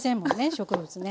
植物ね。